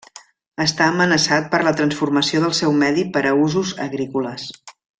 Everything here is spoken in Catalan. Està amenaçat per la transformació del seu medi per a usos agrícoles.